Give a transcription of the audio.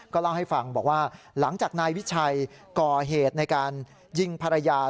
เล่าให้ฟังบอกว่าหลังจากนายวิชัยก่อเหตุในการยิงภรรยา